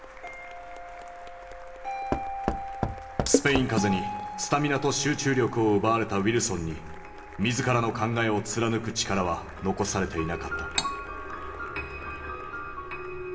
スペイン風邪にスタミナと集中力を奪われたウィルソンに自らの考えを貫く力は残されていなかった。